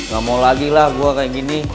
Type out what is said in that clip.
gak mau lagi lah gue kayak gini